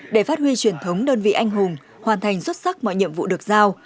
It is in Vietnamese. để phát huy truyền thống đơn vị anh hùng hoàn thành xuất sắc mọi nhiệm vụ được giao